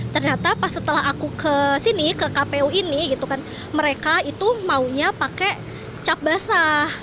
ternyata pas setelah aku ke sini ke kpu ini gitu kan mereka itu maunya pakai cap basah